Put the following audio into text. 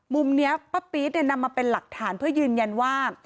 มุมนี้ป้าปี๊ดเนี่ยนำมาเป็นหลักฐานเพื่อยืนยันว่า